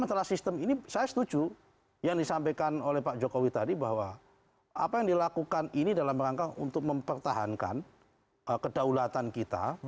masalah sistem ini saya setuju yang disampaikan oleh pak jokowi tadi bahwa apa yang dilakukan ini dalam rangka untuk mempertahankan kedaulatan kita